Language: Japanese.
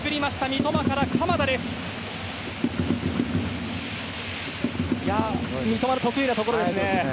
三笘の得意なところですね。